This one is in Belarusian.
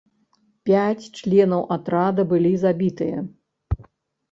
Пяць членаў атрада былі забітыя.